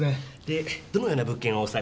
でどのような物件をお探しで？